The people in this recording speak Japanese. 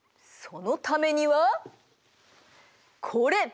そのためにはこれ！